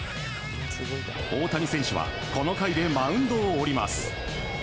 大谷選手はこの回でマウンドを降ります。